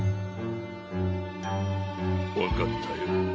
分かったよ。